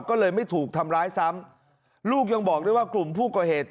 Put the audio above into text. ก็เลยไม่ถูกทำร้ายซ้ำลูกยังบอกด้วยว่ากลุ่มผู้ก่อเหตุ